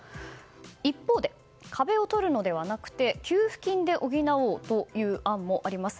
一方で、壁をとるのではなくて給付金で補おうという案もあります。